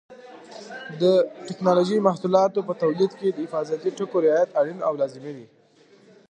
د ټېکنالوجۍ محصولاتو په تولید کې د حفاظتي ټکو رعایت اړین او لازمي دی.